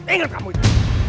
ingat kamu itu